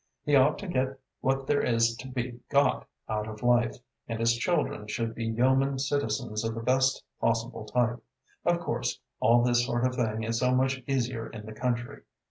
He ought to get what there is to be got out of life, and his children should be yeomen citizens of the best possible type. Of course, all this sort of thing is so much easier in the country.